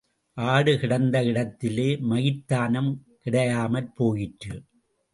ஆடு கிடந்த இடத்திலே மயிர்தானும் கிடையாமற் போயிற்று.